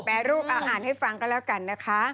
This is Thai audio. แปรรูปอาหารให้ฟังก็แล้วกันนะคะ